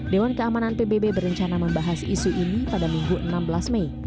dewan keamanan pbb berencana membahas isu ini pada minggu enam belas mei